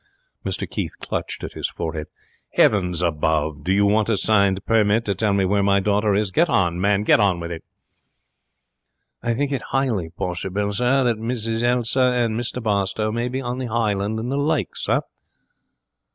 Mr Keith clutched at his forehead. 'Heavens above! Do you want a signed permit to tell me where my daughter is? Get on, man, get on!' 'I think it 'ighly possible, sir, that Miss Elsa and Mr Barstowe may be on the hisland in the lake, sir.'